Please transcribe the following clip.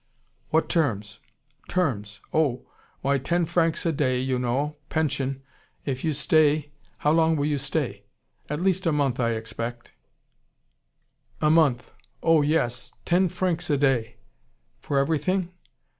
"What terms?" "Terms! Oh! Why, ten francs a day, you know, pension if you stay How long will you stay?" "At least a month, I expect." "A month! Oh yes. Yes, ten francs a day." "For everything?"